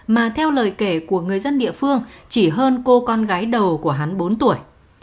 mà theo lời kể của người dân địa phương chỉ hơn cô con gái đầu của hắn bốn tuổi